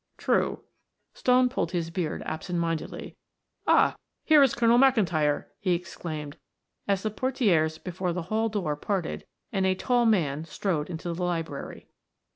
"True." Stone pulled his beard absentmindedly. "Ah, here is Colonel McIntyre," he exclaimed as the portieres before the hall door parted and a tall man strode into the library.